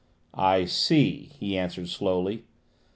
"I see!" he answered slowly.